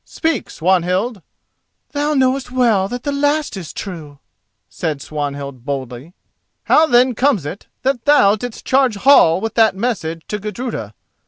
"Speak, Swanhild." "Thou knowest well that the last is true," said Swanhild boldly. "How then comes it that thou didst charge Hall with that message to Gudruda?